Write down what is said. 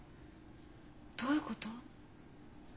どういうこと？